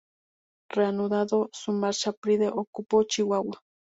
Reanudando su marcha, Pride ocupó Chihuahua.